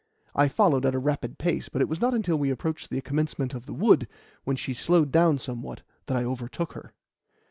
I followed at a rapid pace, but it was not until we approached the commencement of the wood, when she slowed down somewhat, that I overtook her.